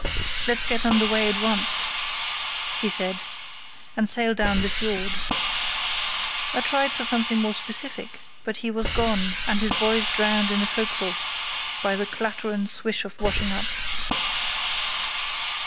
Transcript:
"Let's get under way at once," he said, "and sail down the fiord." I tried for something more specific, but he was gone, and his voice drowned in the fo'c'sle by the clatter and swish of washing up.